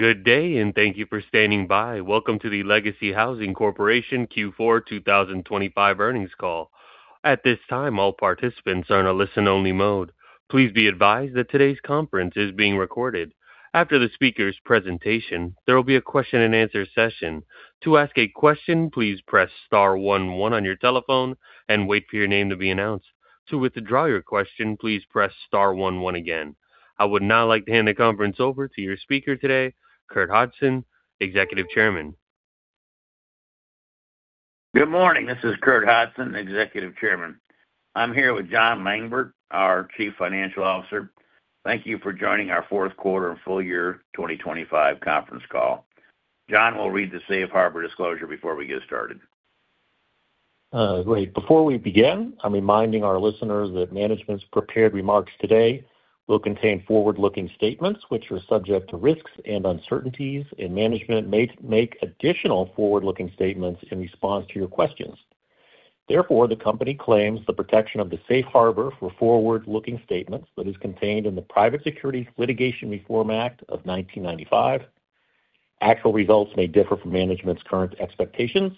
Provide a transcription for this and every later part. Good day, and thank you for standing by. Welcome to the Legacy Housing Corporation Q4 2025 Earnings Call. At this time, all participants are in a listen-only mode. Please be advised that today's conference is being recorded. After the speaker's presentation, there will be a question-and-answer session. To ask a question, please press star one one on your telephone and wait for your name to be announced. To withdraw your question, please press star one one again. I would now like to hand the conference over to your speaker today, Curtis Hodgson, Executive Chairman. Good morning. This is Curtis Hodgson, Executive Chairman. I'm here with Jon Langbert, our Chief Financial Officer. Thank you for joining our fourth quarter and full year 2025 conference call. Jon will read the Safe Harbor disclosure before we get started. Great. Before we begin, I'm reminding our listeners that management's prepared remarks today will contain forward-looking statements, which are subject to risks and uncertainties, and management may make additional forward-looking statements in response to your questions. Therefore, the company claims the protection of the Safe Harbor for forward-looking statements that is contained in the Private Securities Litigation Reform Act of 1995. Actual results may differ from management's current expectations.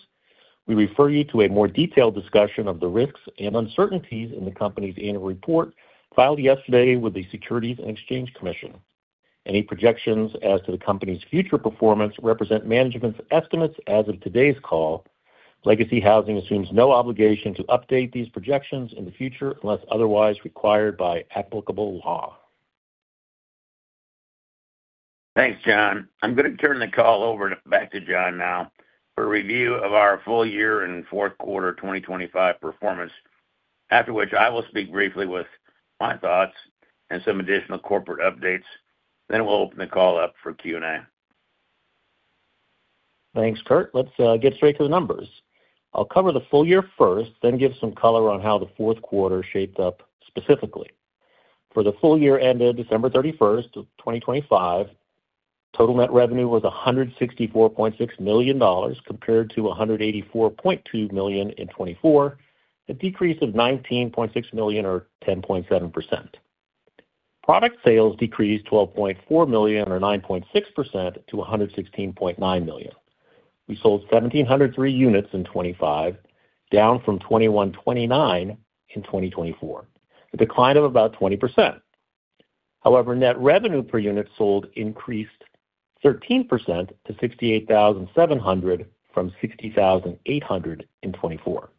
We refer you to a more detailed discussion of the risks and uncertainties in the company's annual report filed yesterday with the Securities and Exchange Commission. Any projections as to the company's future performance represent management's estimates as of today's call. Legacy Housing assumes no obligation to update these projections in the future unless otherwise required by applicable law. Thanks, Jon Langbert. I'm going to turn the call over back to Jon Langbert now for a review of our full-year and fourth quarter 2025 performance, after which I will speak briefly with my thoughts and some additional corporate updates. We'll open the call up for Q&A. Thanks, Curt. Let's get straight to the numbers. I'll cover the full-year first, then give some color on how the fourth quarter shaped up specifically. For the full-year ended December 31st of 2025, total net revenue was $164.6 million, compared to $184.2 million in 2024, a decrease of $19.6 million or 10.7%. Product sales decreased $12.4 million, or 9.6% to $116.9 million. We sold 1,703 units in 2025, down from 2,129 in 2024, a decline of about 20%. However, net revenue per unit sold increased 13% to $68,700 from $60,800 in 2024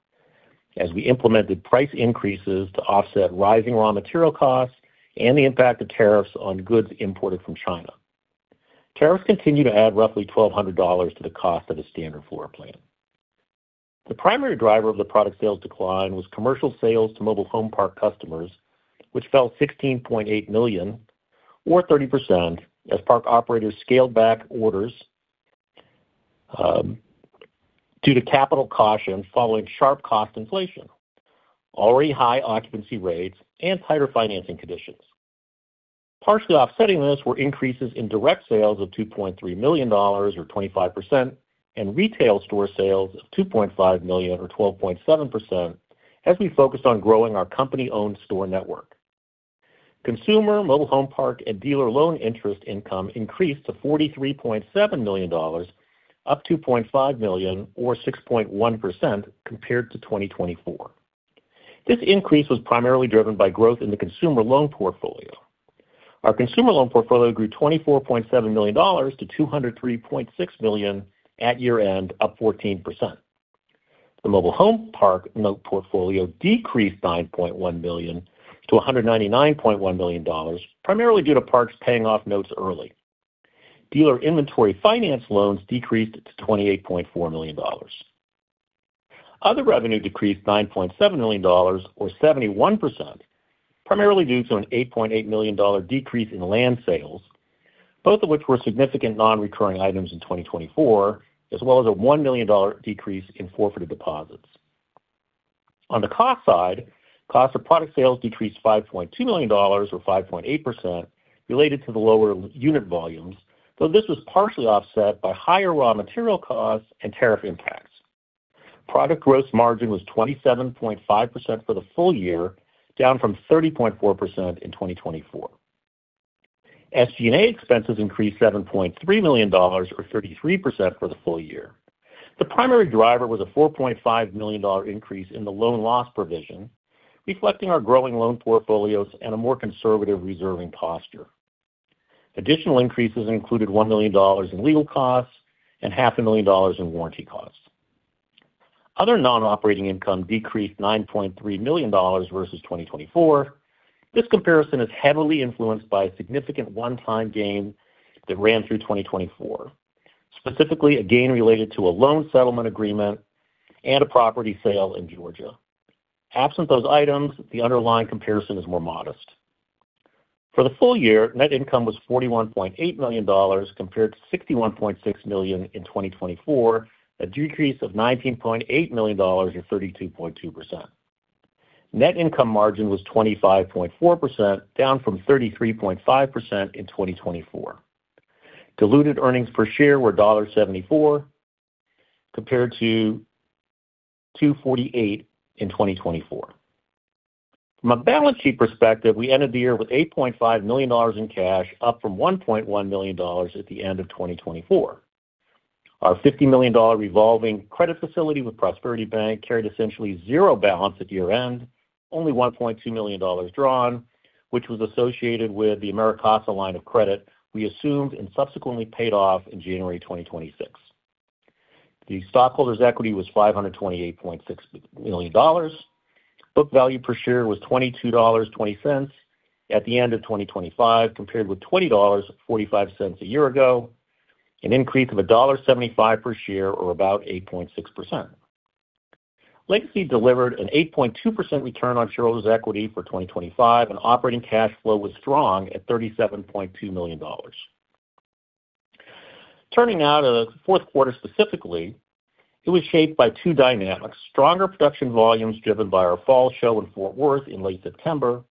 as we implemented price increases to offset rising raw material costs and the impact of tariffs on goods imported from China. Tariffs continue to add roughly $1,200 to the cost of the standard floor plan. The primary driver of the product sales decline was commercial sales to mobile home park customers, which fell $16.8 million, or 30% as park operators scaled back orders due to capital caution following sharp cost inflation, already high occupancy rates, and tighter financing conditions. Partially offsetting this were increases in direct sales of $2.3 million, or 25% and retail store sales of $2.5 million, or 12.7% as we focused on growing our company-owned store network. Consumer, mobile home park, and dealer loan interest income increased to $43.7 million, up $2.5 million or 6.1% compared to 2024. This increase was primarily driven by growth in the consumer loan portfolio. Our consumer loan portfolio grew $24.7 million-$203.6 million at year-end, up 14%. The mobile home park note portfolio decreased $9.1 million-$199.1 million, primarily due to parks paying off notes early. Dealer inventory finance loans decreased to $28.4 million. Other revenue decreased $9.7 million or 71%, primarily due to an $8.8 million decrease in land sales, both of which were significant non-recurring items in 2024, as well as a $1 million decrease in forfeited deposits. On the cost side, cost of product sales decreased $5.2 million or 5.8% related to the lower unit volumes, though this was partially offset by higher raw material costs and tariff impacts. Product gross margin was 27.5% for the full-year, down from 30.4% in 2024. SG&A expenses increased $7.3 million or 33% for the full-year. The primary driver was a $4.5 million increase in the loan loss provision, reflecting our growing loan portfolios and a more conservative reserving posture. Additional increases included $1 million in legal costs and half a million dollars in warranty costs. Other non-operating income decreased $9.3 million versus 2024. This comparison is heavily influenced by a significant one-time gain that ran through 2024, specifically a gain related to a loan settlement agreement and a property sale in Georgia. Absent those items, the underlying comparison is more modest. For the full year, net income was $41.8 million compared to $61.6 million in 2024, a decrease of $19.8 million or 32.2%. Net income margin was 25.4%, down from 33.5% in 2024. Diluted earnings per share were $0.74 compared to $2.48 in 2024. From a balance sheet perspective, we ended the year with $8.5 million in cash, up from $1.1 million at the end of 2024. Our $50 million revolving credit facility with Prosperity Bank carried essentially zero balance at year-end, only $1.2 million drawn, which was associated with the AmeriCasa line of credit we assumed and subsequently paid off in January 2026. The stockholders' equity was $528.6 million. Book value per share was $22.20 at the end of 2025, compared with $20.45 a year ago, an increase of $1.75 per share or about 8.6%. Legacy delivered an 8.2% return on shareholders' equity for 2025, and operating cash flow was strong at $37.2 million. Turning now to the fourth quarter specifically, it was shaped by two dynamics, stronger production volumes driven by our fall show in Fort Worth in late September,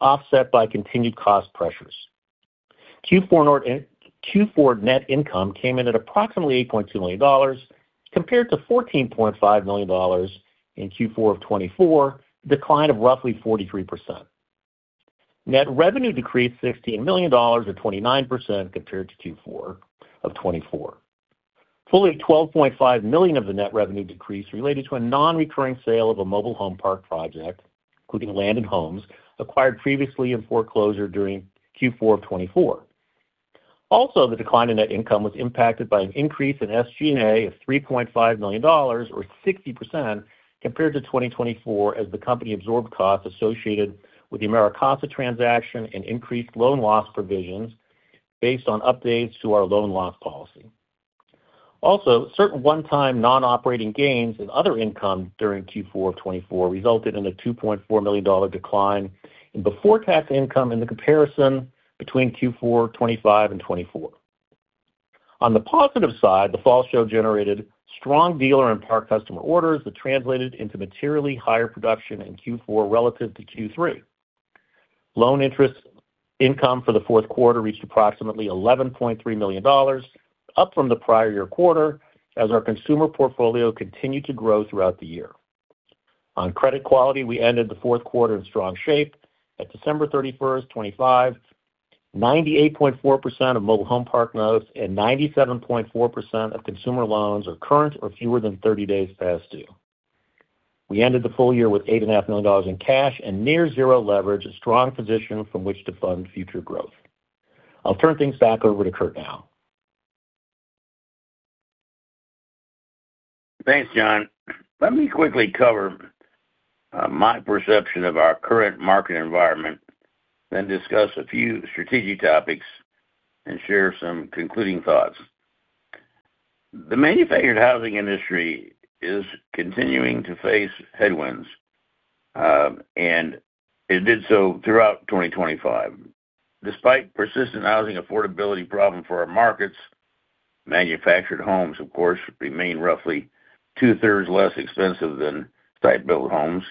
offset by continued cost pressures. Q4 net income came in at approximately $8.2 million compared to $14.5 million in Q4 of 2024, a decline of roughly 43%. Net revenue decreased $16 million, or 29% compared to Q4 of 2024. Fully $12.5 million of the net revenue decrease related to a non-recurring sale of a mobile home park project, including land and homes acquired previously in foreclosure during Q4 of 2024. Also, the decline in net income was impacted by an increase in SG&A of $3.5 million, or 60% compared to 2024 as the company absorbed costs associated with the AmeriCasa transaction and increased loan loss provisions based on updates to our loan loss policy. Also, certain one-time non-operating gains and other income during Q4 of 2024 resulted in a $2.4 million decline in before-tax income in the comparison between Q4 2025 and 2024. On the positive side, the fall show generated strong dealer and park customer orders that translated into materially higher production in Q4 relative to Q3. Loan interest income for the fourth quarter reached approximately $11.3 million, up from the prior year quarter as our consumer portfolio continued to grow throughout the year. On credit quality, we ended the fourth quarter in strong shape. At December 31st, 2025, 98.4% of mobile home park loans and 97.4% of consumer loans are current or fewer than 30 days past due. We ended the full year with $8.5 million in cash and near zero leverage, a strong position from which to fund future growth. I'll turn things back over to Curt now. Thanks, Jon. Let me quickly cover my perception of our current market environment, then discuss a few strategic topics and share some concluding thoughts. The manufactured housing industry is continuing to face headwinds, and it did so throughout 2025. Despite persistent housing affordability problem for our markets, manufactured homes, of course, remain roughly two-thirds less expensive than site-built homes.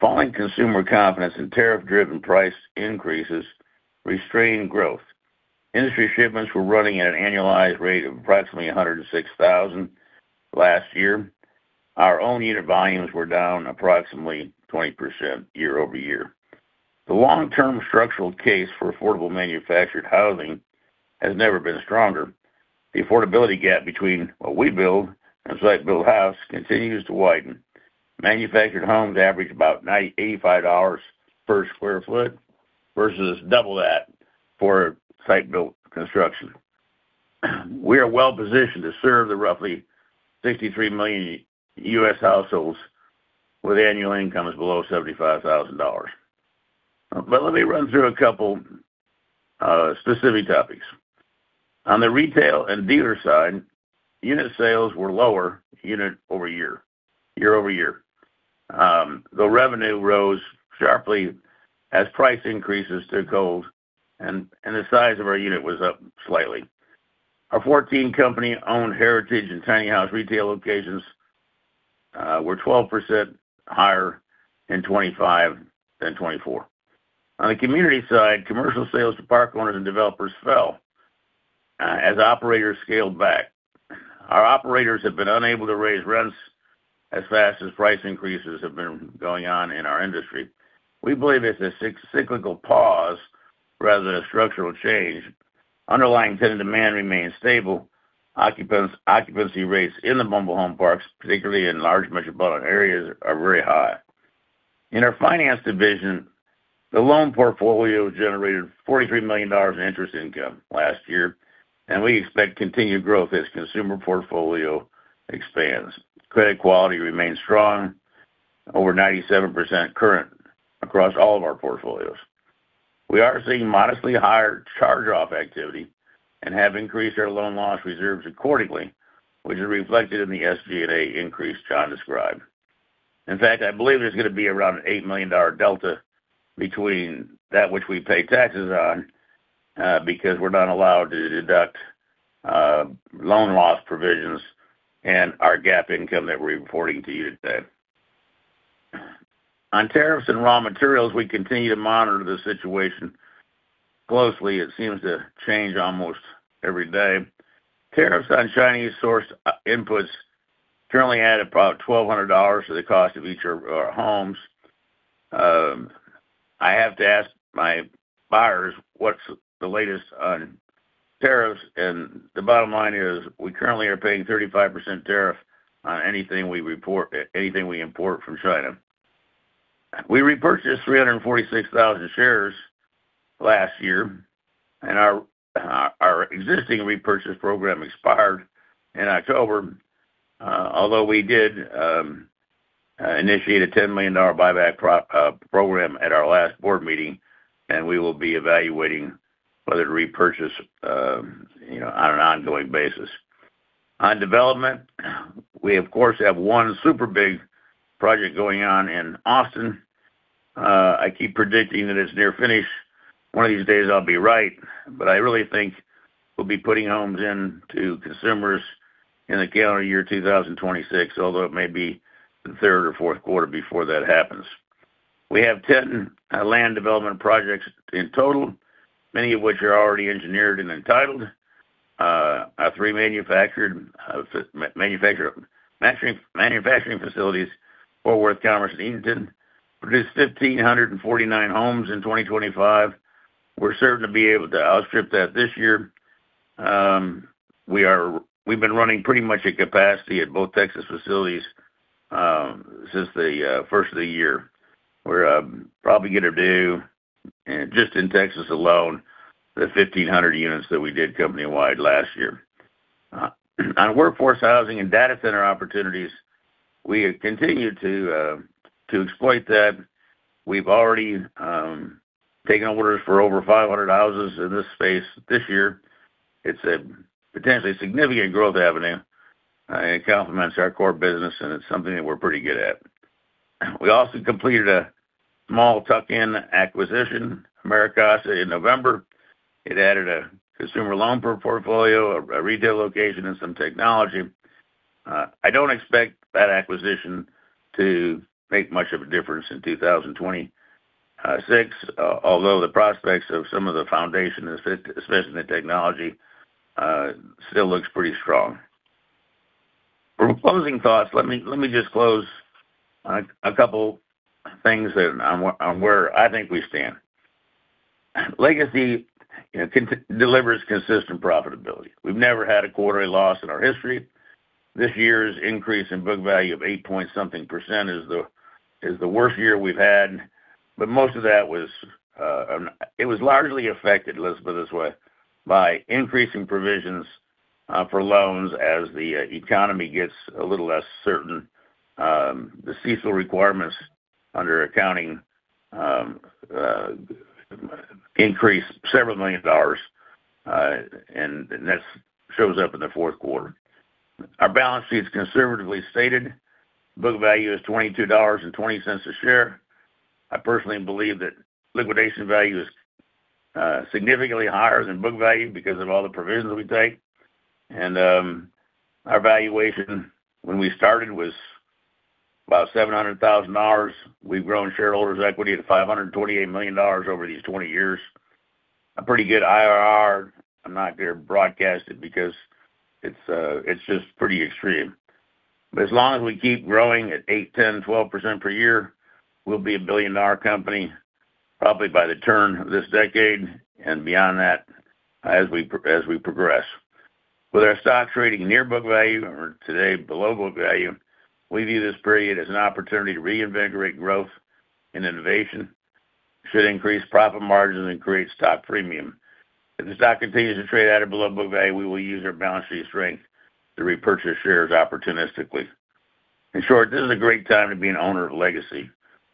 Falling consumer confidence and tariff-driven price increases restrained growth. Industry shipments were running at an annualized rate of approximately 106,000 last year. Our own unit volumes were down approximately 20% year-over-year. The long-term structural case for affordable manufactured housing has never been stronger. The affordability gap between what we build and a site-built house continues to widen. Manufactured homes average about $98.5 per sq ft versus double that for site-built construction. We are well-positioned to serve the roughly 63 million U.S. households with annual incomes below $75,000. Let me run through a couple specific topics. On the retail and dealer side, unit sales were lower year-over-year. The revenue rose sharply as price increases took hold and the size of our unit was up slightly. Our 14 company-owned Heritage and Tiny House retail locations were 12% higher in 2025 than 2024. On the community side, commercial sales to park owners and developers fell as operators scaled back. Our operators have been unable to raise rents as fast as price increases have been going on in our industry. We believe it's a cyclical pause rather than a structural change. Underlying tenant demand remains stable. Occupancy rates in the mobile home parks, particularly in large metropolitan areas, are very high. In our finance division, the loan portfolio generated $43 million in interest income last year, and we expect continued growth as consumer portfolio expands. Credit quality remains strong, over 97% current across all of our portfolios. We are seeing modestly higher charge-off activity and have increased our loan loss reserves accordingly, which is reflected in the SG&A increase Jon described. In fact, I believe there's going to be around an $8 million delta between that which we pay taxes on, because we're not allowed to deduct, loan loss provisions and our GAAP income that we're reporting to you today. On tariffs and raw materials, we continue to monitor the situation closely, it seems to change almost every day. Tariffs on Chinese source inputs currently add about $1,200 to the cost of each of our homes. I have to ask my buyers what's the latest on tariffs, and the bottom line is we currently are paying 35% tariff on anything we import from China. We repurchased 346,000 shares last year, and our existing repurchase program expired in October. Although we did initiate a $10 million buyback program at our last board meeting, and we will be evaluating whether to repurchase on an ongoing basis. On development, we of course have one super big project going on in Austin. I keep predicting that it's near finish. One of these days I'll be right, but I really think we'll be putting homes into consumers in the calendar year 2026, although it may be the third or fourth quarter before that happens. We have 10 land development projects in total, many of which are already engineered and entitled. Our three manufacturing facilities, Fort Worth, Commerce, and Ellington, produced 1,549 homes in 2025. We're certain to be able to outstrip that this year. We've been running pretty much at capacity at both Texas facilities since the first of the year. We're probably going to do, just in Texas alone, the 1,500 units that we did company-wide last year. On workforce housing and data center opportunities, we have continued to exploit that. We've already taken orders for over 500 houses in this space this year. It's a potentially significant growth avenue, it complements our core business, and it's something that we're pretty good at. We also completed a small tuck-in acquisition, AmeriCasa, in November. It added a consumer loan portfolio, a retail location, and some technology. I don't expect that acquisition to make much of a difference in 2026, although the prospects of some of the fundamentals, especially the technology, still looks pretty strong. For closing thoughts, let me just close on a couple things on where I think we stand. Legacy consistently delivers consistent profitability. We've never had a quarterly loss in our history. This year's increase in book value of 8.something % is the worst year we've had, but most of that was largely affected, Elizabeth, this way, by increasing provisions for loans as the economy gets a little less certain. The CECL requirements under accounting increased several million dollars, and that shows up in the fourth quarter. Our balance sheet is conservatively stated. Book value is $22.20 a share. I personally believe that liquidation value is significantly higher than book value because of all the provisions we take. Our valuation when we started was about $700,000. We've grown shareholders' equity to $528 million over these 20 years. A pretty good IRR. I'm not going to broadcast it because it's just pretty extreme. As long as we keep growing at 8%, 10%, 12% per year, we'll be a billion-dollar company probably by the turn of this decade and beyond that as we progress. With our stock trading near book value or today below book value, we view this period as an opportunity to reinvigorate growth and innovation, should increase profit margins and create stock premium. If the stock continues to trade at or below book value, we will use our balance sheet strength to repurchase shares opportunistically. In short, this is a great time to be an owner of Legacy.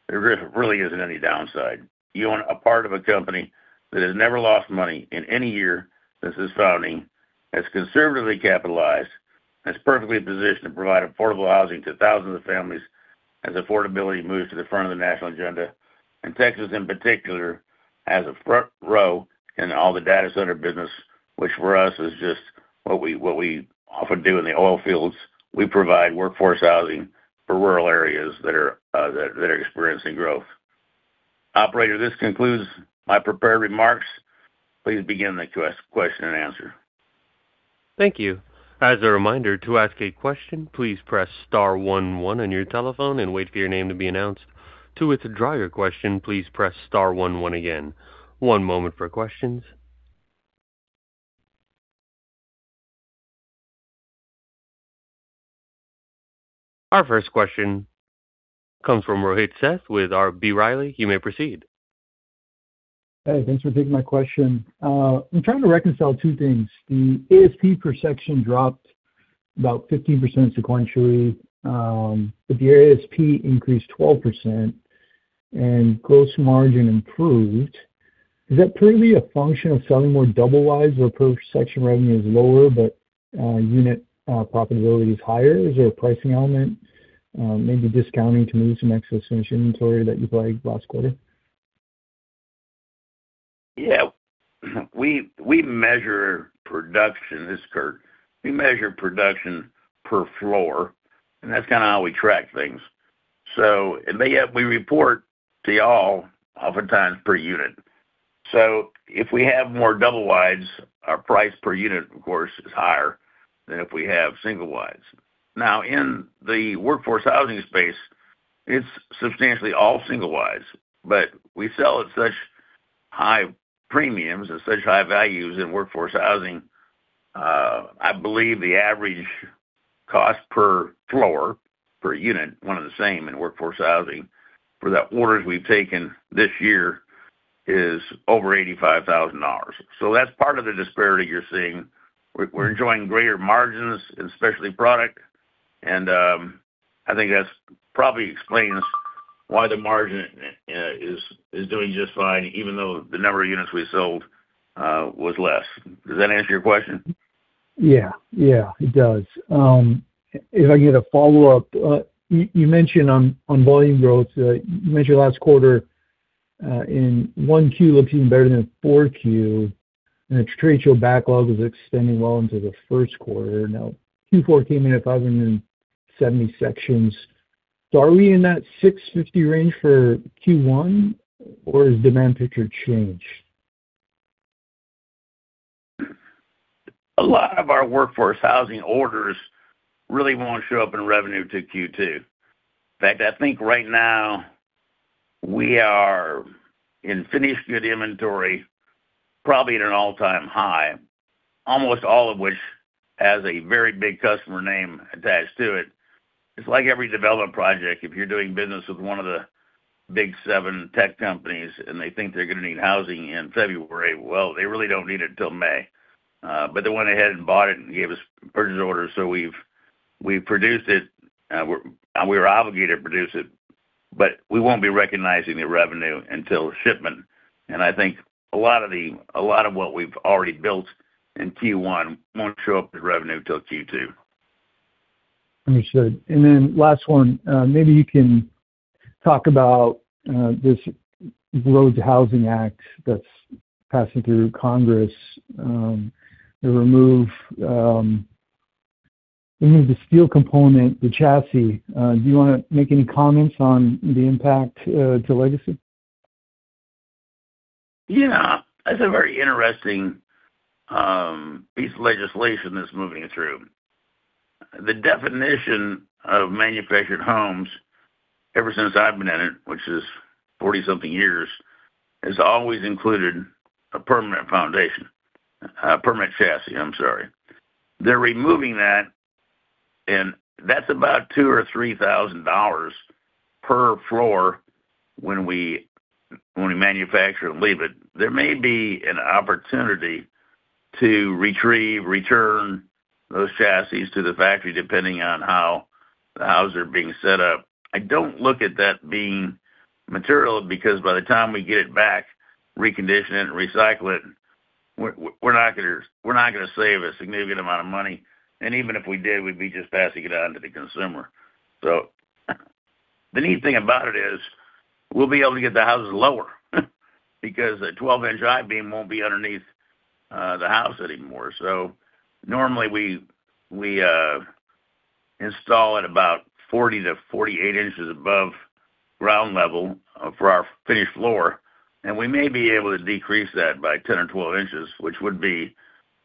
There really isn't any downside. You own a part of a company that has never lost money in any year since its founding, that's conservatively capitalized, and is perfectly positioned to provide affordable housing to thousands of families as affordability moves to the front of the national agenda. Texas, in particular, has a front row in all the data center business, which for us is just what we often do in the oil fields. We provide workforce housing for rural areas that are experiencing growth. Operator, this concludes my prepared remarks. Please begin the question and answer. Thank you. As a reminder, to ask a question, please press star one one on your telephone and wait for your name to be announced. To withdraw your question, please press star one one again. One moment for questions. Our first question comes from Rohit Seth with B. Riley. You may proceed. Hey, thanks for taking my question. I'm trying to reconcile two things. The ASP per section dropped about 15% sequentially, but the ASP increased 12% and gross margin improved. Is that purely a function of selling more double-wides where per section revenue is lower but unit profitability is higher? Is there a pricing element, maybe discounting to move some excess inventory that you flagged last quarter? Yeah. We measure production. This is Curtis. We measure production per floor, and that's kind of how we track things. We report to y'all oftentimes per unit. If we have more double wides, our price per unit, of course, is higher than if we have single wides. Now, in the workforce housing space, it's substantially all single wides. We sell at such high premiums, at such high values in workforce housing. I believe the average cost per floor, per unit, one and the same in workforce housing for the orders we've taken this year is over $85,000. That's part of the disparity you're seeing. We're enjoying greater margins, especially product. I think that's probably explains why the margin is doing just fine, even though the number of units we sold was less. Does that answer your question? Yeah. Yeah, it does. If I get a follow-up, you mentioned on volume growth last quarter in 1Q looking better than 4Q, and it turns out your backlog is extending well into the first quarter. Now, Q4 sections. So are we in that 650 range for 1Q or has demand picture changed? A lot of our workforce housing orders really won't show up in revenue until Q2. In fact, I think right now we have finished goods inventory, probably at an all-time high, almost all of which has a very big customer name attached to it. It's like every development project. If you're doing business with one of the big seven tech companies and they think they're going to need housing in February, well, they really don't need it till May. But they went ahead and bought it and gave us purchase orders, so we've produced it. We were obligated to produce it, but we won't be recognizing the revenue until shipment. I think a lot of what we've already built in Q1 won't show up as revenue till Q2. Understood. Last one, maybe you can talk about this ROAD to Housing Act that's passing through Congress to remove the steel component, the chassis. Do you wanna make any comments on the impact to Legacy? Yeah, that's a very interesting piece of legislation that's moving through. The definition of manufactured homes, ever since I've been in it, which is 40-something years, has always included a permanent foundation. A permanent chassis, I'm sorry. They're removing that, and that's about $2,000-$3,000 per fl when we manufacture and leave it. There may be an opportunity to retrieve, return those chassis to the factory, depending on how the houses are being set up. I don't look at that being material because by the time we get it back, recondition it and recycle it, we're not gonna save a significant amount of money. Even if we did, we'd be just passing it on to the consumer. The neat thing about it is we'll be able to get the houses lower because a 12 in I-beam won't be underneath the house anymore. Normally we install it about 40-48 in above ground level for our finished floor, and we may be able to decrease that by 10 or 12 in, which would be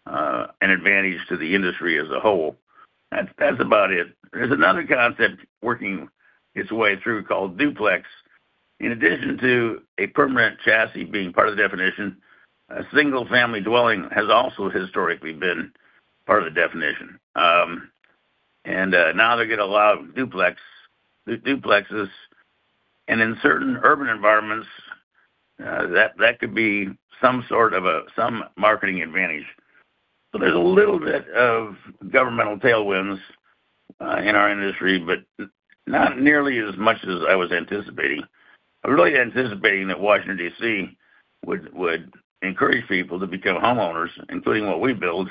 an advantage to the industry as a whole. That's about it. There's another concept working its way through called Duplex. In addition to a permanent chassis being part of the definition, a single-family dwelling has also historically been part of the definition. Now they're going to allow duplexes. In certain urban environments, that could be some sort of marketing advantage. There's a little bit of governmental tailwinds in our industry, but not nearly as much as I was anticipating. I'm really anticipating that Washington, D.C. would encourage people to become homeowners, including what we build.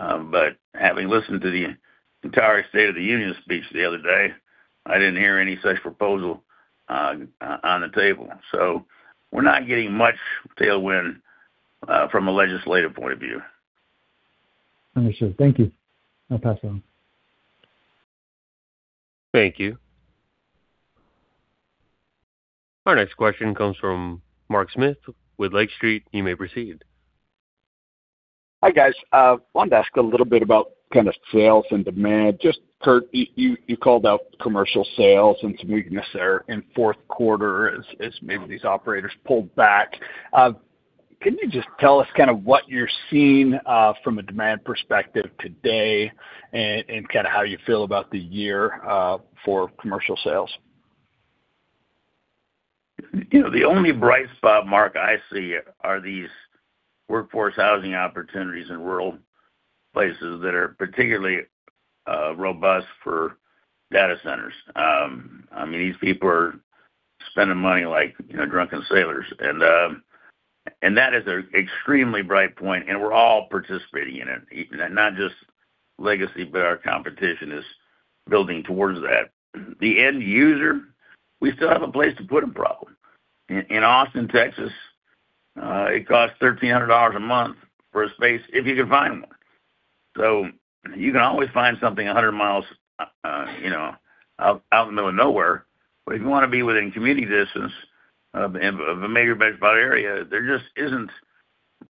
But having listened to the entire State of the Union speech the other day, I didn't hear any such proposal on the table. We're not getting much tailwind from a legislative point of view. Understood. Thank you. I'll pass it on. Thank you. Our next question comes from Mark Smith with Lake Street. You may proceed. Hi, guys. Wanted to ask a little bit about kind of sales and demand. Just, Kurt, you called out commercial sales and some weakness there in fourth quarter as maybe these operators pulled back. Can you just tell us kind of what you're seeing from a demand perspective today and kinda how you feel about the year for commercial sales? You know, the only bright spot, Mark, I see are these workforce housing opportunities in rural places that are particularly robust for data centers. I mean, these people are spending money like, you know, drunken sailors. That is an extremely bright point, and we're all participating in it. Not just Legacy, but our competition is building towards that. The end user, we still have a place to put them problem. In Austin, Texas, it costs $1,300 a month for a space if you can find one. You can always find something 100 miles, you know, out in the middle of nowhere. But if you want to be within commuting distance of a major metropolitan area, there just isn't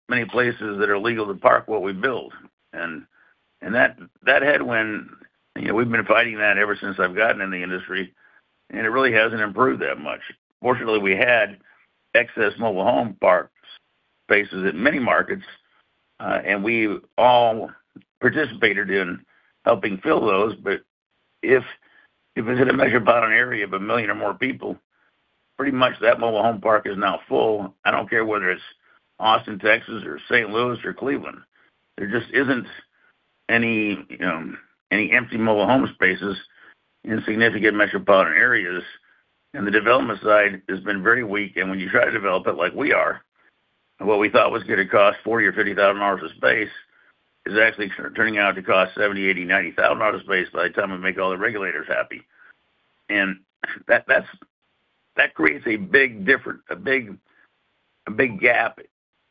many places that are legal to park what we build. That headwind, you know, we've been fighting that ever since I've gotten in the industry, and it really hasn't improved that much. Fortunately, we had excess mobile home park spaces in many markets, and we all participated in helping fill those. If you visit a metropolitan area of 1 million or more people, pretty much that mobile home park is now full. I don't care whether it's Austin, Texas, or St. Louis or Cleveland. There just isn't any empty mobile home spaces in significant metropolitan areas. The development side has been very weak. When you try to develop it like we are, what we thought was going to cost $40 thousand or $50 thousand a space is actually turning out to cost $70 thousand, $80 thousand, $90 thousand a space by the time we make all the regulators happy. That creates a big difference, a big gap,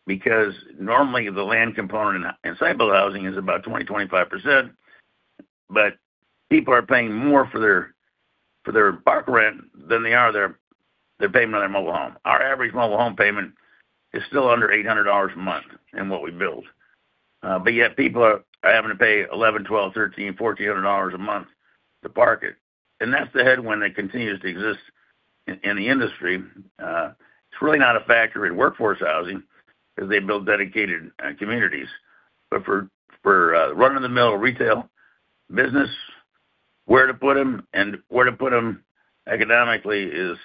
because normally the land component in site-built housing is about 20%-25%. People are paying more for their park rent than for their payment on their mobile home. Our average mobile home payment is still under $800 a month in what we build. Yet people are having to pay $1,100-$1,400 a month to park it. That's the headwind that continues to exist in the industry. It's really not a factor in workforce housing because they build dedicated communities. For run-of-the-mill retail business, where to put them and where to put them economically is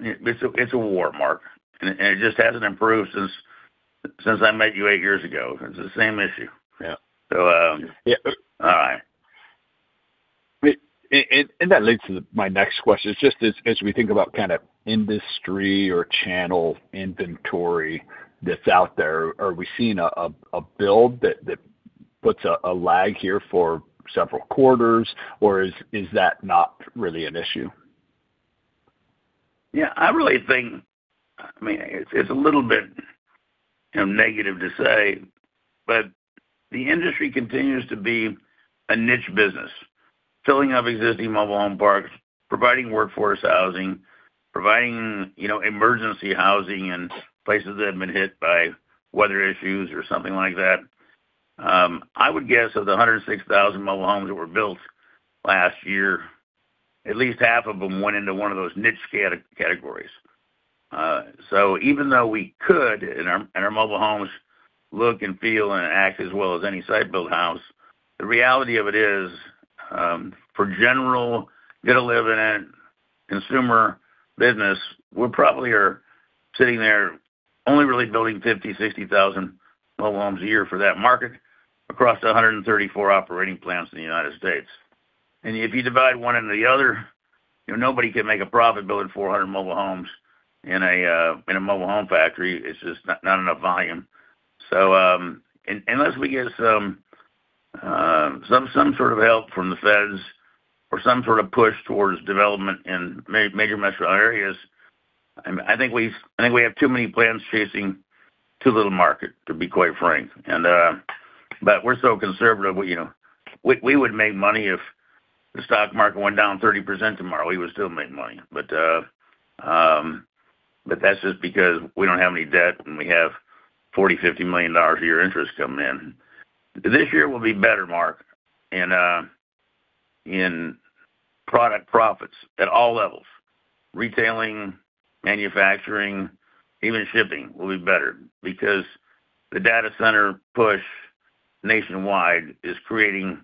a war, Mark, and it just hasn't improved since I met you eight years ago. It's the same issue. Yeah. So, um. Yeah. All right. That leads to my next question. It's just as we think about kind of industry or channel inventory that's out there, are we seeing a build that puts a lag here for several quarters, or is that not really an issue? Yeah, I really think I mean, it's a little bit, you know, negative to say, but the industry continues to be a niche business, filling up existing mobile home parks, providing workforce housing, providing, you know, emergency housing in places that have been hit by weather issues or something like that. I would guess of the 106,000 mobile homes that were built last year, at least half of them went into one of those niche categories. So even though we could and our mobile homes look and feel and act as well as any site-built house, the reality of it is, for general get-to-live-in-it consumer business, we probably are sitting there only really building 50,000-60,000 mobile homes a year for that market across the 134 operating plants in the United States. If you divide one into the other, you know, nobody can make a profit building 400 mobile homes in a mobile home factory. It's just not enough volume. Unless we get some sort of help from the feds or some sort of push towards development in major metropolitan areas, I think we have too many plants chasing too little market, to be quite frank. We're so conservative, you know. We would make money if the stock market went down 30% tomorrow. We would still make money. That's just because we don't have any debt, and we have $40-$50 million a year interest coming in. This year will be better, Mark, in product profits at all levels. Retailing, manufacturing, even shipping will be better because the data center push nationwide is creating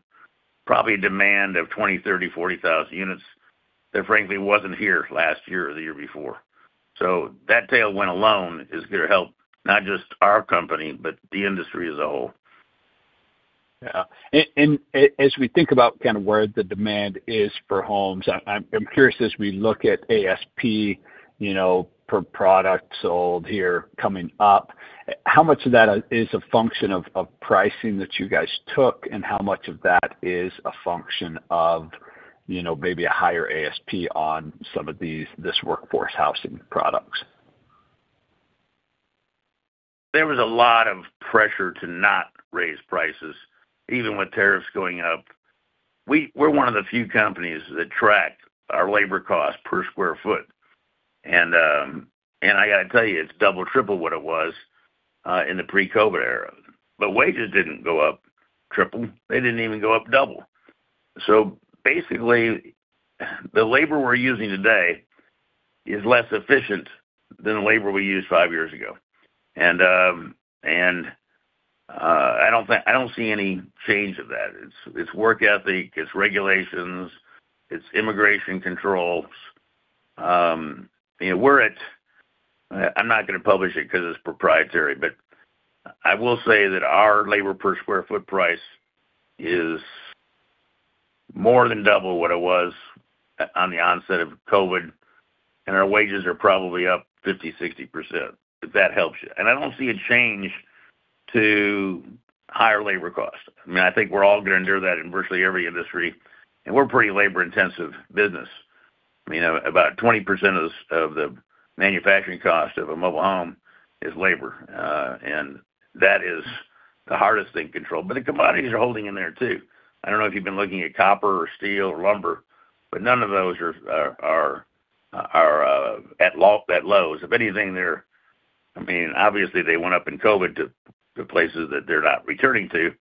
probably a demand of 20,000, 30,000, 40,000 units that frankly wasn't here last year or the year before. That tailwind alone is going to help not just our company, but the industry as a whole. Yeah. As we think about kind of where the demand is for homes, I'm curious, as we look at ASP, you know, per product sold here coming up, how much of that is a function of pricing that you guys took, and how much of that is a function of, you know, maybe a higher ASP on some of this workforce housing products? There was a lot of pressure to not raise prices, even with tariffs going up. We're one of the few companies that track our labor cost per sq ft. I got to tell you, it's double, triple what it was in the pre-COVID era. Wages didn't go up triple. They didn't even go up double. Basically, the labor we're using today is less efficient than the labor we used five years ago. I don't see any change of that. It's work ethic, it's regulations, it's immigration controls. You know, we're at I'm not gonna publish it because it's proprietary, but I will say that our labor per square foot price is more than double what it was on the onset of COVID, and our wages are probably up 50%-60%, if that helps you. I don't see a change to higher labor costs. I mean, I think we're all gonna endure that in virtually every industry, and we're a pretty labor-intensive business. You know, about 20% of the manufacturing cost of a mobile home is labor. That is the hardest thing to control. But the commodities are holding in there too. I don't know if you've been looking at copper or steel or lumber, but none of those are at lows. If anything, they're. I mean, obviously they went up in COVID to places that they're not returning to,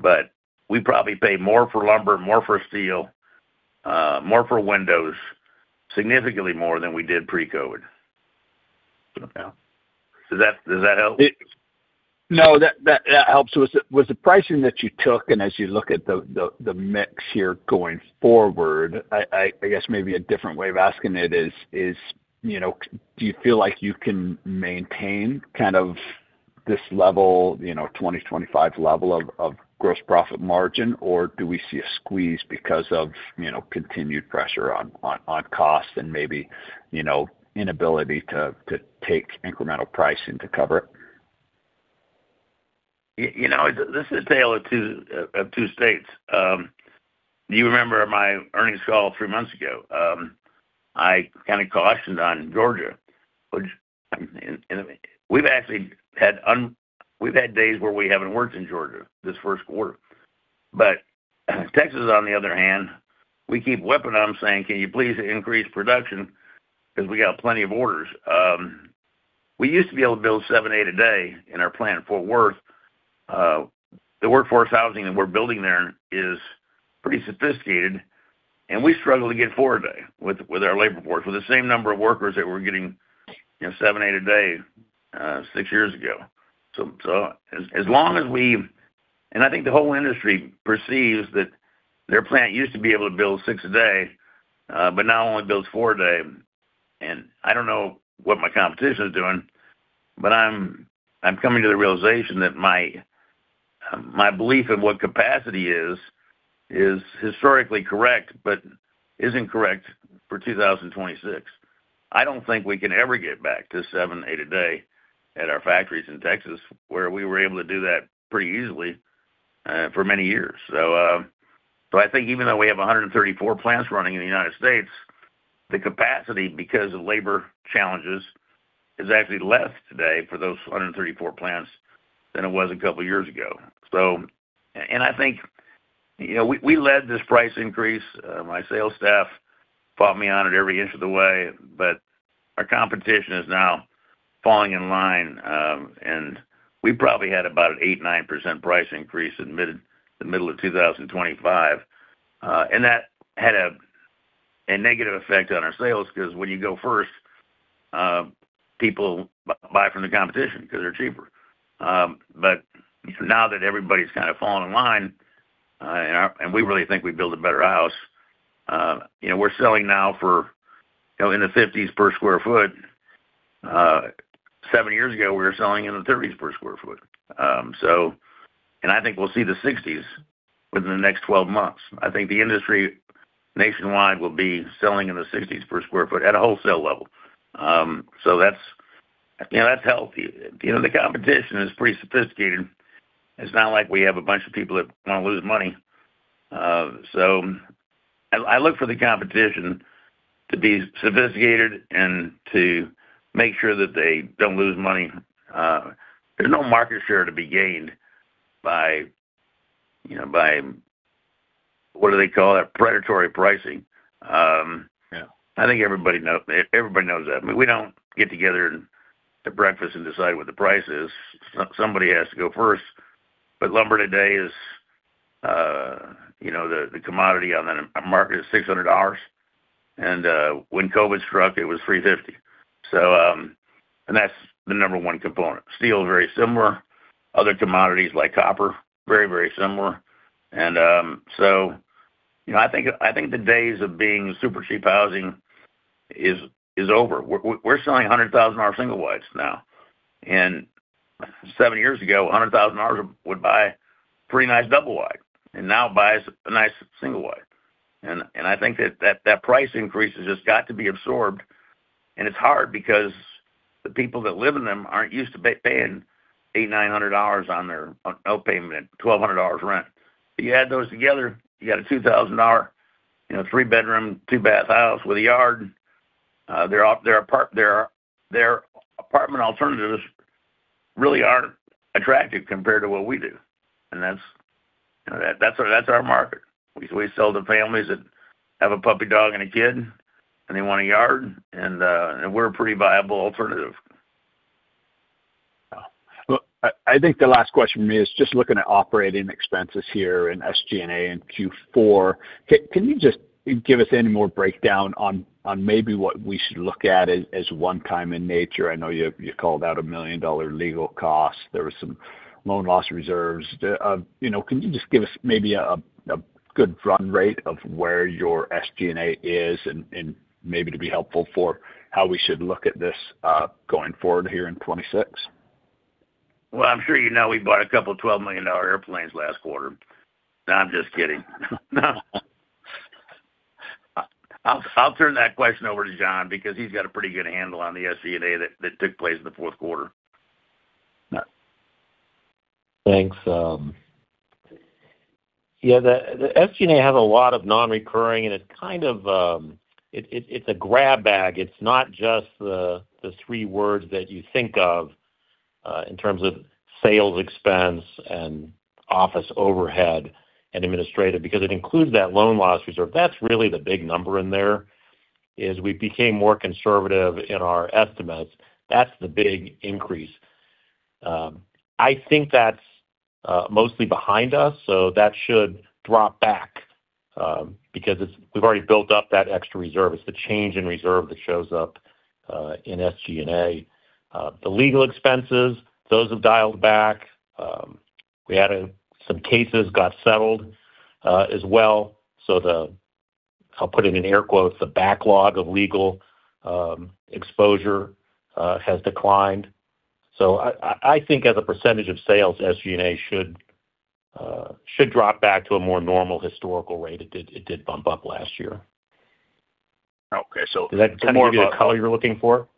but we probably pay more for lumber, more for steel, more for windows, significantly more than we did pre-COVID. Okay. Does that help? No, that helps. Was the pricing that you took and as you look at the mix here going forward, I guess maybe a different way of asking it is, you know, do you feel like you can maintain kind of this level, you know, 2025 level of gross profit margin? Or do we see a squeeze because of, you know, continued pressure on cost and maybe, you know, inability to take incremental pricing to cover it? You know, this is a tale of two states. You remember my earnings call three months ago. I kind of cautioned on Georgia, which we've actually had days where we haven't worked in Georgia this first quarter. But Texas, on the other hand, we keep whipping them, saying, "Can you please increase production because we got plenty of orders?" We used to be able to build 7-8/day in our plant in Fort Worth. The workforce housing that we're building there is pretty sophisticated, and we struggle to get four a day with our labor force with the same number of workers that we're getting, you know, 7-8/day, six years ago. As long as we I think the whole industry perceives that their plant used to be able to build 6/day, but now only builds four a day. I don't know what my competition is doing, but I'm coming to the realization that my belief in what capacity is historically correct, but isn't correct for 2026. I don't think we can ever get back to 7-8/day at our factories in Texas, where we were able to do that pretty easily for many years. I think even though we have 134 plants running in the United States, the capacity because of labor challenges is actually less today for those 134 plants than it was a couple years ago. I think, you know, we led this price increase. My sales staff fought me on it every inch of the way, but our competition is now falling in line. We probably had about an 8-9% price increase in the middle of 2025. That had a negative effect on our sales 'cause when you go first, people buy from the competition because they're cheaper. But now that everybody's kind of falling in line, and we really think we build a better house, you know, we're selling now for, you know, in the $50s per sq ft. Seven years ago, we were selling in the $30s per sq ft. I think we'll see the $60s within the next 12 months. I think the industry nationwide will be selling in the $60s per sq ft at a wholesale level. That's, you know, that's healthy. You know, the competition is pretty sophisticated. It's not like we have a bunch of people that wanna lose money. I look for the competition to be sophisticated and to make sure that they don't lose money. There's no market share to be gained by, you know, by what do they call that? Predatory pricing. Yeah. I think everybody knows that. I mean, we don't get together at breakfast and decide what the price is. Somebody has to go first. But lumber today is the commodity on the market is $600. When COVID struck, it was $350. That's the number one component. Steel, very similar. Other commodities like copper, very similar. I think the days of being super cheap housing is over. We're selling $100,000 single wides now. Seven years ago, $100,000 would buy a pretty nice double wide, and now buys a nice single wide. I think that price increase has just got to be absorbed. It's hard because the people that live in them aren't used to paying $800-$900 on their own payment $1,200 rent. You add those together, you got a $2,000, you know, 3-bedroom, 2-bath house with a yard. Their apartment alternatives really aren't attractive compared to what we do. That's our market. We sell to families that have a puppy dog and a kid, and they want a yard, and we're a pretty viable alternative. Well, I think the last question for me is just looking at operating expenses here in SG&A in Q4. Can you just give us any more breakdown on maybe what we should look at as one time in nature? I know you called out a $1 million legal cost. There was some loan loss reserves. You know, can you just give us maybe a good run rate of where your SG&A is and maybe to be helpful for how we should look at this going forward here in 2026? Well, I'm sure you know we bought a couple of $12 million airplanes last quarter. No, I'm just kidding. I'll turn that question over to Jon because he's got a pretty good handle on the SG&A that took place in the fourth quarter. Thanks. Yeah, the SG&A has a lot of non-recurring, and it's kind of, it's a grab bag. It's not just the three words that you think of in terms of sales expense and office overhead and administrative, because it includes that loan loss reserve. That's really the big number in there, is we became more conservative in our estimates. That's the big increase. I think that's mostly behind us, so that should drop back, because it's, we've already built up that extra reserve. It's the change in reserve that shows up in SG&A. The legal expenses, those have dialed back. We had a. Some cases got settled, as well. The, I'll put it in air quotes, the backlog of legal exposure has declined. I think as a percentage of sales, SG&A should drop back to a more normal historical rate. It did bump up last year. Okay. Does that kind of give you the color you're looking for?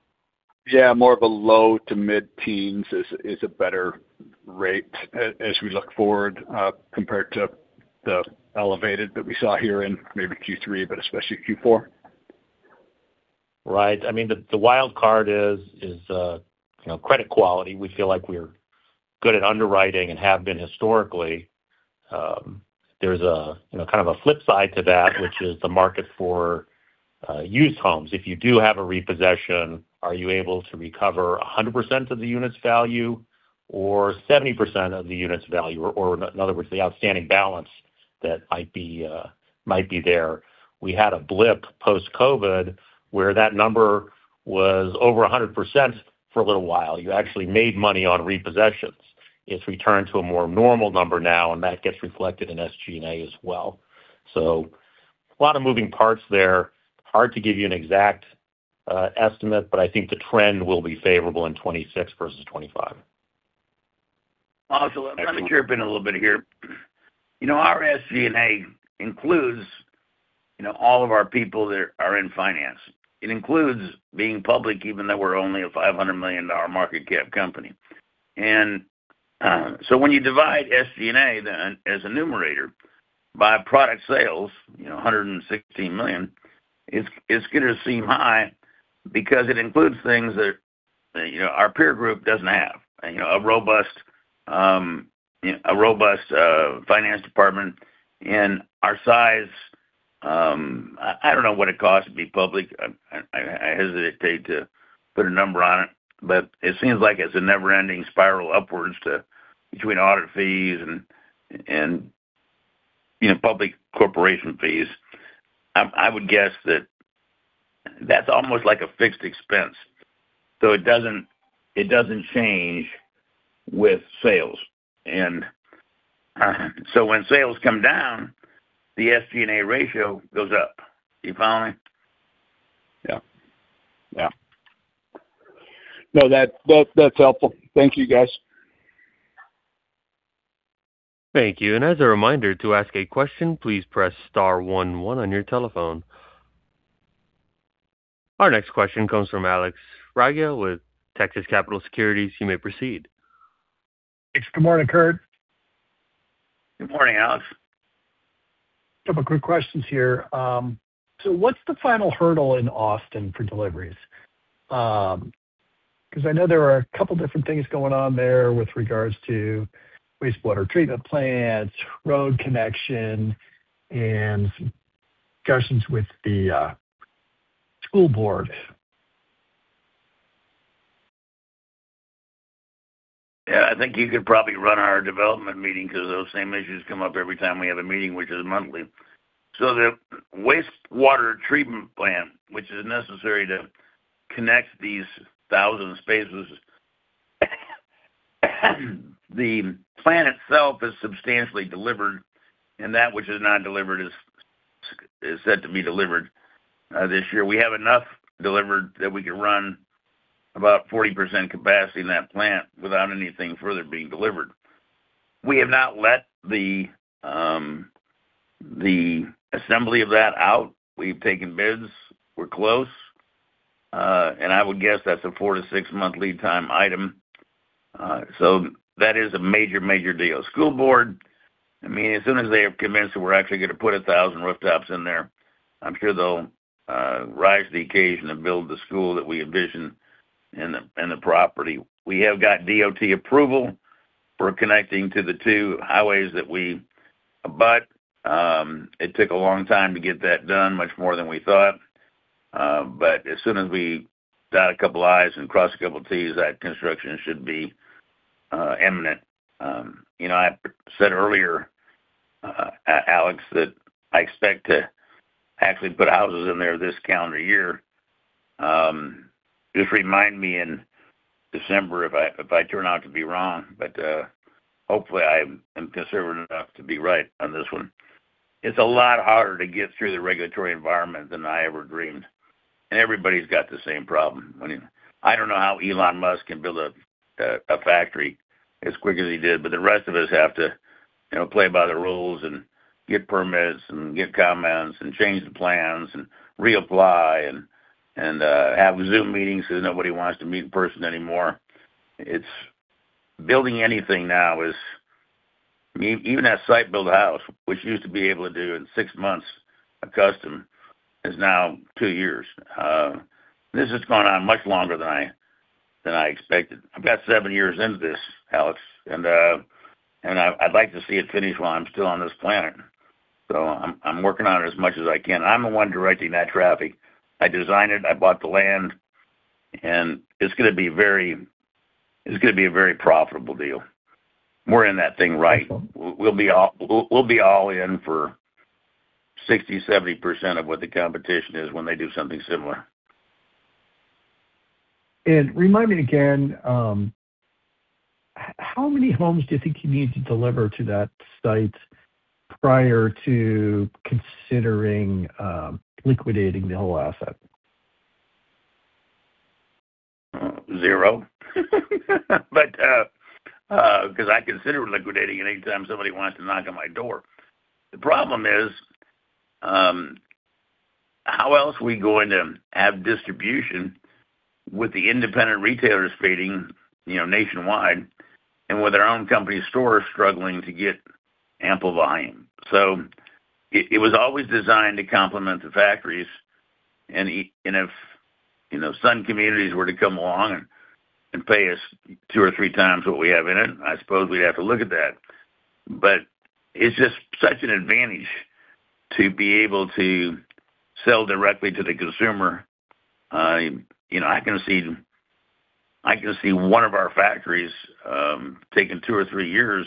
Yeah, more of a low-to-mid-teens is a better rate as we look forward, compared to the elevated that we saw here in maybe Q3, but especially Q4. Right. I mean, the wild card is, you know, credit quality. We feel like we're good at underwriting and have been historically. There's a you know kind of a flip side to that, which is the market for used homes. If you do have a repossession, are you able to recover 100% of the unit's value, or 70% of the unit's value? Or in other words, the outstanding balance that might be there. We had a blip post-COVID where that number was over 100% for a little while. You actually made money on repossessions. It's returned to a more normal number now, and that gets reflected in SG&A as well. A lot of moving parts there. Hard to give you an exact estimate, but I think the trend will be favorable in 2026 versus 2025. Also, let me chime in a little bit here. You know, our SG&A includes, you know, all of our people that are in finance. It includes being public, even though we're only a $500 million market cap company. So when you divide SG&A then as a numerator by product sales, you know, $116 million, it's gonna seem high because it includes things that, you know, our peer group doesn't have. You know, a robust finance department in our size, I don't know what it costs to be public. I hesitate to put a number on it, but it seems like it's a never-ending spiral upwards to between audit fees and, you know, public corporation fees. I would guess that that's almost like a fixed expense. It doesn't change with sales. When sales come down, the SG&A ratio goes up. You follow me? Yeah. Yeah. No, that's helpful. Thank you, guys. Thank you. As a reminder, to ask a question, please press star one one on your telephone. Our next question comes from Alex Rygiel with Texas Capital Securities. You may proceed. Thanks. Good morning, Kurt. Good morning, Alex. Couple quick questions here. What's the final hurdle in Austin for deliveries? 'Cause I know there are a couple different things going on there with regards to wastewater treatment plants, road connection, and discussions with the school board. Yeah. I think you could probably run our development meeting 'cause those same issues come up every time we have a meeting, which is monthly. The wastewater treatment plant, which is necessary to connect these thousands of spaces, the plant itself is substantially delivered, and that which is not delivered is said to be delivered this year. We have enough delivered that we can run about 40% capacity in that plant without anything further being delivered. We have not let the assembly of that out. We've taken bids. We're close. I would guess that's a 4-6-month lead time item. That is a major deal. School board, I mean, as soon as they have convinced that we're actually gonna put 1,000 rooftops in there, I'm sure they'll rise to the occasion to build the school that we envision in the property. We have got DOT approval for connecting to the two highways that we abut. It took a long time to get that done, much more than we thought. As soon as we dot a couple I's and cross a couple T's, that construction should be imminent. You know, I said earlier, Alex, that I expect to actually put houses in there this calendar year. Just remind me in December if I turn out to be wrong. Hopefully, I'm conservative enough to be right on this one. It's a lot harder to get through the regulatory environment than I ever dreamed, and everybody's got the same problem. I mean, I don't know how Elon Musk can build a factory as quick as he did, but the rest of us have to, you know, play by the rules and get permits and get comments and change the plans and reapply and have Zoom meetings because nobody wants to meet in person anymore. It's building anything now is. Even that site-built house, which used to be able to do in six months, a custom, is now two years. This has gone on much longer than I expected. I've got seven years into this, Alex, and I'd like to see it finished while I'm still on this planet. I'm working on it as much as I can. I'm the one directing that traffic. I designed it, I bought the land, and it's going to be a very profitable deal. We're in that thing, right. We'll be all in for 60%-70% of what the competition is when they do something similar. Remind me again, how many homes do you think you need to deliver to that site prior to considering liquidating the whole asset? Zero. 'Cause I consider liquidating it anytime somebody wants to knock on my door. The problem is, how else are we going to have distribution with the independent retailers fading, you know, nationwide and with our own company stores struggling to get ample volume. It was always designed to complement the factories. If, you know, some communities were to come along and pay us 2x or 3x what we have in it, I suppose we'd have to look at that. It's just such an advantage to be able to sell directly to the consumer. You know, I can see one of our factories taking two or three years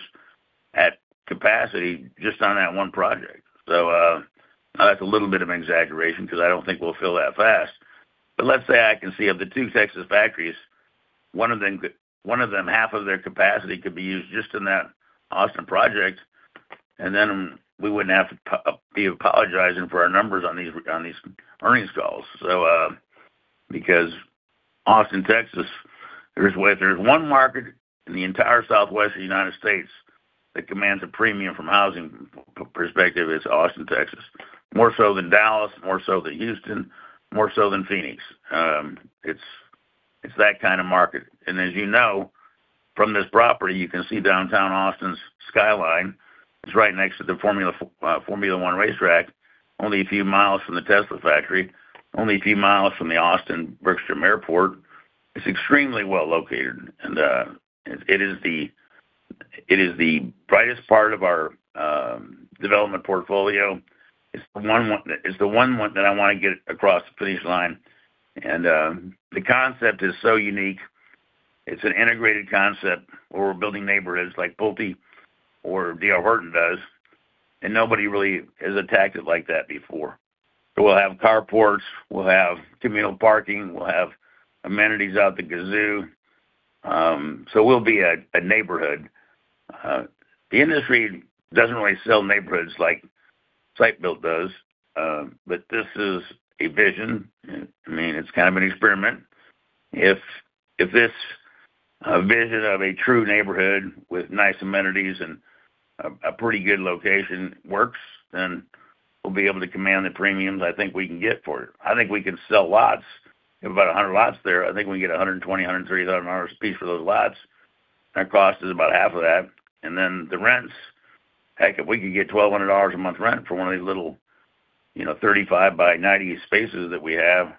at capacity just on that one project. That's a little bit of an exaggeration because I don't think we'll fill that fast. Let's say I can see of the two Texas factories, one of them half of their capacity could be used just in that Austin project, and then we wouldn't have to be apologizing for our numbers on these earnings calls. If there's one market in the entire Southwest of the United States that commands a premium from a housing perspective, it's Austin, Texas. More so than Dallas, more so than Houston, more so than Phoenix. It's that kind of market. As you know, from this property, you can see downtown Austin's skyline. It's right next to the Formula One racetrack, only a few miles from the Tesla factory, only a few miles from the Austin-Bergstrom Airport. It's extremely well located, and it is the brightest part of our development portfolio. It's the one that I wanna get across the finish line. The concept is so unique. It's an integrated concept where we're building neighborhoods like PulteGroup or D.R. Horton does, and nobody really has attacked it like that before. We'll have carports, we'll have communal parking, we'll have amenities out the wazoo. We'll be a neighborhood. The industry doesn't really sell neighborhoods like site-built does, but this is a vision. I mean, it's kind of an experiment. If this vision of a true neighborhood with nice amenities and a pretty good location works, then we'll be able to command the premiums I think we can get for it. I think we can sell lots. We have about 100 lots there. I think we can get $120,000-$130,000 a piece for those lots. Our cost is about half of that. The rents, heck, if we could get $1,200 a month rent for one of these little, you know, 35 by 90 spaces that we have,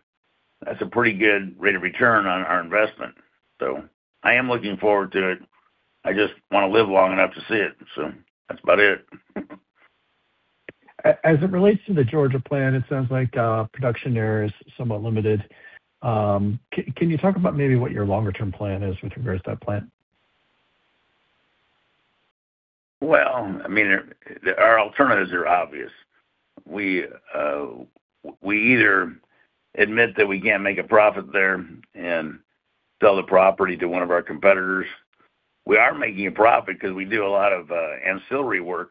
that's a pretty good rate of return on our investment. I am looking forward to it. I just wanna live long enough to see it. That's about it. As it relates to the Georgia plan, it sounds like production there is somewhat limited. Can you talk about maybe what your longer term plan is with regards to that plan? Well, I mean, our alternatives are obvious. We either admit that we can't make a profit there and sell the property to one of our competitors. We are making a profit because we do a lot of ancillary work.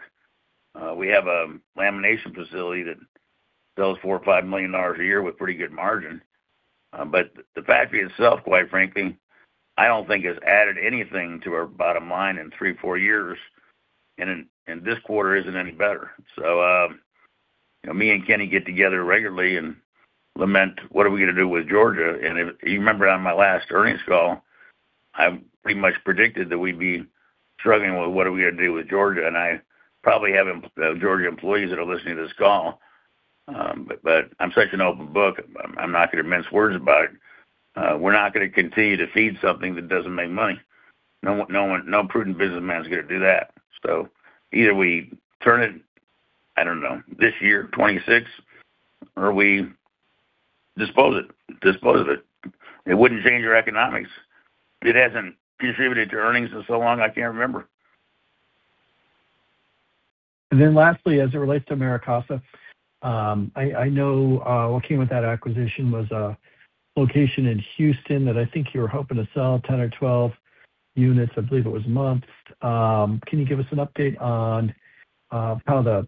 We have a lamination facility that sells $4 or $5 million a year with pretty good margin. But the factory itself, quite frankly, I don't think has added anything to our bottom line in three or four years, and in this quarter isn't any better. Me and Kenny get together regularly and lament, "What are we gonna do with Georgia?" If you remember on my last earnings call, I pretty much predicted that we'd be struggling with what are we gonna do with Georgia. I probably have Georgia employees that are listening to this call, but I'm such an open book, I'm not going to mince words about it. We're not gonna continue to feed something that doesn't make money. No one, no prudent businessman is gonna do that. Either we turn it, I don't know, this year, 2026, or we dispose of it. It wouldn't change our economics. It hasn't contributed to earnings in so long, I can't remember. Lastly, as it relates to AmeriCasa, I know what came with that acquisition was a location in Houston that I think you were hoping to sell 10 or 12 units, I believe it was months. Can you give us an update on how the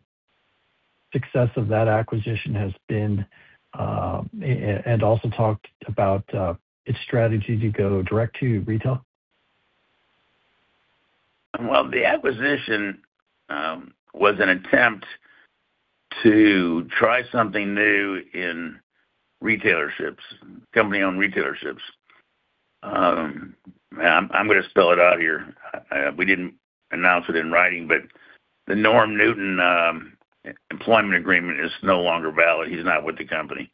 success of that acquisition has been, and also talked about its strategy to go direct to retail? Well, the acquisition was an attempt to try something new in retailerships, company-owned retailerships. I'm gonna spell it out here. We didn't announce it in writing, but the Norman Newton employment agreement is no longer valid. He's not with the company.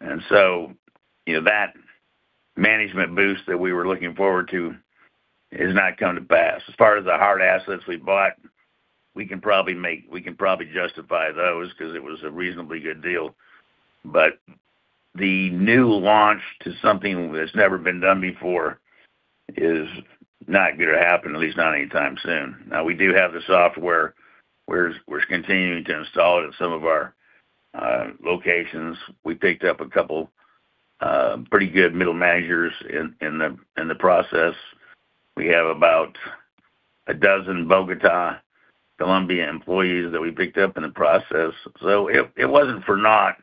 You know, that management boost that we were looking forward to has not come to pass. As far as the hard assets we bought, we can probably justify those 'cause it was a reasonably good deal. The new launch to something that's never been done before is not gonna happen, at least not anytime soon. Now, we do have the software. We're continuing to install it at some of our locations. We picked up a couple pretty good middle managers in the process. We have about a dozen Bogotá, Colombia employees that we picked up in the process. It wasn't for naught,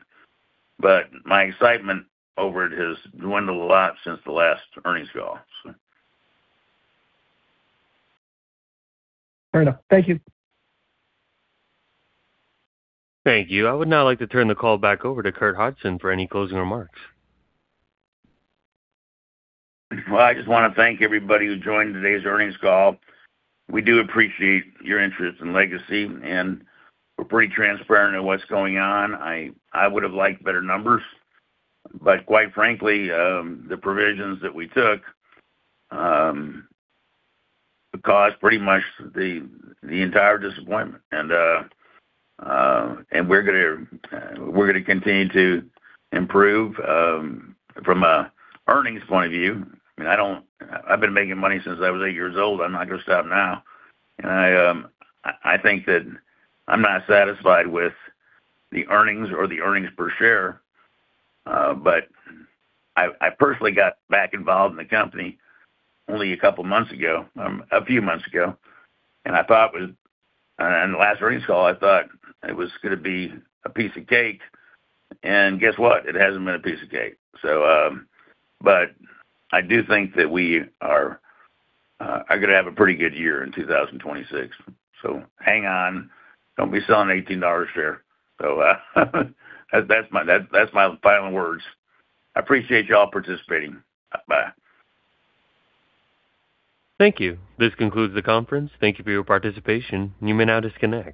but my excitement over it has dwindled a lot since the last earnings call. Fair enough. Thank you. Thank you. I would now like to turn the call back over to Curtis Hodgson for any closing remarks. Well, I just wanna thank everybody who joined today's earnings call. We do appreciate your interest in Legacy, and we're pretty transparent in what's going on. I would have liked better numbers, but quite frankly, the provisions that we took caused pretty much the entire disappointment. We're gonna continue to improve from an earnings point of view. I mean, I've been making money since I was eight years old. I'm not gonna stop now. I think that I'm not satisfied with the earnings or the earnings per share. But I personally got back involved in the company only a couple months ago, a few months ago, and I thought it was. On the last earnings call, I thought it was gonna be a piece of cake. Guess what? It hasn't been a piece of cake. I do think that we are gonna have a pretty good year in 2026. Hang on. Don't be selling $18 a share. That's my final words. I appreciate you all participating. Bye. Thank you. This concludes the conference. Thank you for your participation. You may now disconnect.